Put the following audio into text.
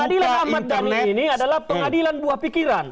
pengadilan ahmad dhani ini adalah pengadilan buah pikiran